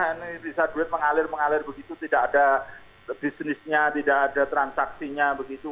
ini bisa duit mengalir mengalir begitu tidak ada bisnisnya tidak ada transaksinya begitu